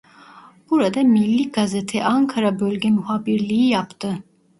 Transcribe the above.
Burada Millî Gazete Ankara bölge muhabirliği yaptı.